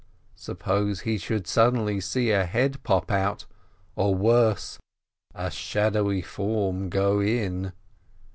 Suppose he should suddenly see a head pop out—or, worse, a shadowy form go in?